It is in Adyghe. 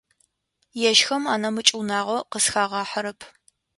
Ежьхэм анэмыкӏ унагъо къызхагъахьэрэп.